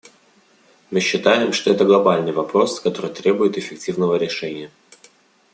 Мы считаем, что это глобальный вопрос, который требует эффективного решения.